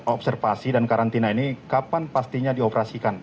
observasi dan karantina ini kapan pastinya dioperasikan